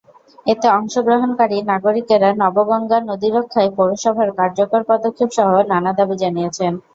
এতে অংশগ্রহণকারী নাগরিকেরা নবগঙ্গা নদী রক্ষায় পৌরসভার কার্যকর পদক্ষেপসহ নানা দাবি জানিয়েছেন।